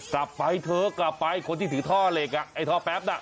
กลับไปเถอะกลับไปคนที่ถือท่อเหล็กอ่ะไอ้ท่อแป๊บน่ะ